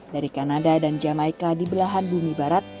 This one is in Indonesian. dari kanada dan jamaica di belahan bumi barat